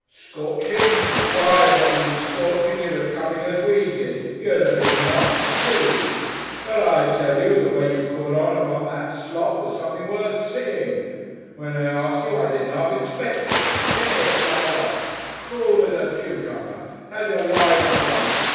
"Scorching! Why if I'd been scorching you'd have coming as we did you'd have been knocked silly. "But I tell you, the way you caught on about that slop was something worth seeing. When I asked you, I didn't half expect it. Bif! Right off. Cool as a cucumber. Had your line at once.